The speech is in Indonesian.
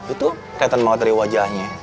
itu kaitan banget dari wajahnya